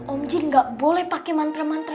om jin gak boleh pakai mantra mantra